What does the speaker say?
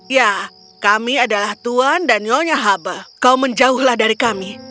ya kami adalah tuhan dan nyonya hubb kau menjauhlah dari kami